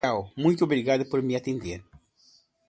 Tchau, muito obrigado por me atender.